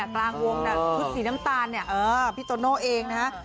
กลางวงคุณศรีน้ำตาลพี่โตโน่เองนะฮะ